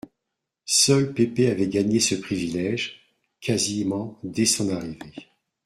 Seul Pépé avait gagné ce privilège, quasiment dès son arrivée.